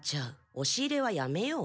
おし入れはやめよう。